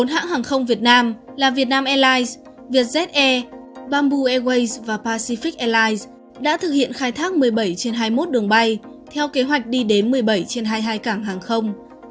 bốn hãng hàng không việt nam là vietnam airlines vietjet air bamboo airways và pacific airlines đã thực hiện khai thác một mươi bảy trên hai mươi một đường bay theo kế hoạch đi đến một mươi bảy